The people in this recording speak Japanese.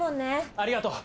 ありがとう。